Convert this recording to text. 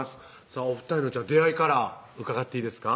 さぁお２人の出会いから伺っていいですか？